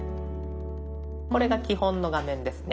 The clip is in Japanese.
これが基本の画面ですね。